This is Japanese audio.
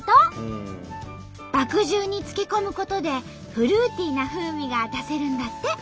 麦汁に漬け込むことでフルーティーな風味が出せるんだって。